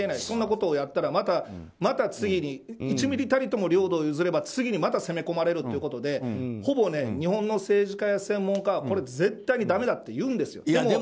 そんなことをやったらまた次に、１ミリたりとも領土を譲れば、次にまた攻め込まれるということでほぼ、日本の政治家や専門家は絶対にだめだって言うんですよ。